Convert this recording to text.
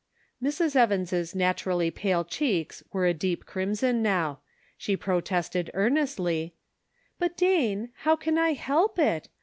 Mrs. Evans' naturally pale cheeks were a deep crimson now. She protested earn estly :" But, Dane, how can I help it